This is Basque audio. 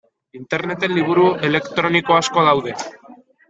Interneten liburu elektroniko asko daude.